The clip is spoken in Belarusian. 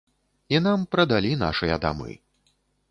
І нам прадалі нашыя дамы.